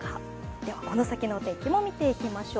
ではこの先のお天気も見ていきましょう。